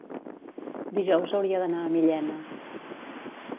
Dijous hauria d'anar a Millena.